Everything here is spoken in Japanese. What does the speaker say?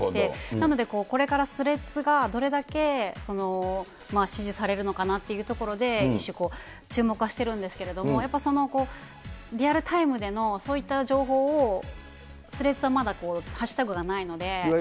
なので、これからスレッズがどれだけ支持されるのかなというところで、注目はしてるんですけれども、やっぱそのリアルタイムでのそういった情報をスレッズはまだハッシュタグがないので。